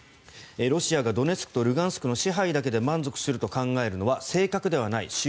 ロシアがドネツクとルガンスクの支配だけで満足すると考えるのは正確ではない。